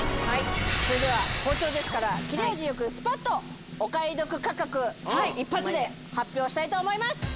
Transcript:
はいそれでは包丁ですから切れ味よくスパッとお買い得価格一発で発表したいと思います